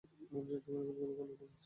মানুষ ডাকতে পারে এমন কোনো নাম আছে আপনার?